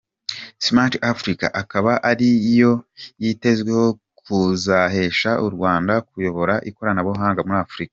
Smart Africa akaba ari yo yitezweho kuzahesha u Rwanda kuyobora ikoranabuhanga muri Afurika.